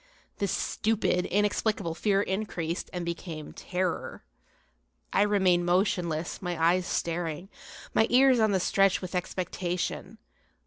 This stupid, inexplicable fear increased, and became terror. I remained motionless, my eyes staring, my ears on the stretch with expectation.